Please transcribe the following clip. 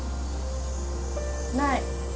ない。